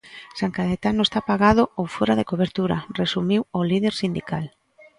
San Caetano está apagado ou fóra de cobertura, resumiu o líder sindical.